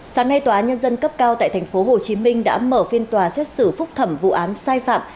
sáng nay tòa nhân dân cấp cao tại tp hcm đã mở phiên tòa xét xử phúc thẩm vụ án sai phạm